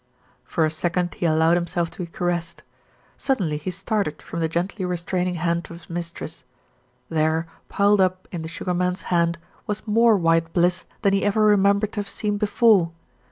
For a second he allowed himself to be caressed. Suddenly he started from the gently restraining hand' of his mistress. There, piled up in the Sugar Man's hand was more white bliss than he ever remembered to have seen before.